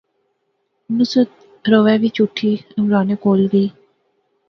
نصرت رووہے وچ اوٹھی عمرانے کول گئی